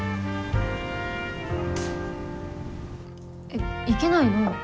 えっ行けないの？